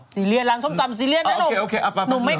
ซีเรียสร้านส้มตำซีเรียสนะหนุ่ม